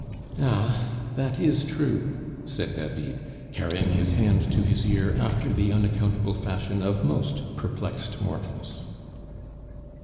"Ah! that is true," said David, carrying his hand to his ear after the unaccountable fashion of most perplexed mortals.